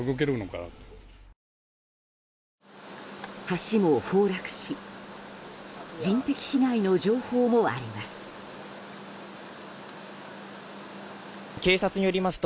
橋も崩落し人的被害の情報もあります。